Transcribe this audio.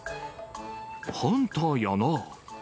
ハンターやなぁ。